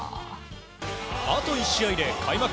あと１試合で開幕